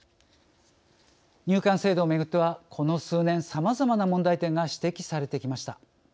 入管制度をめぐってはこの数年、さまざまな問題点が指摘されてきました。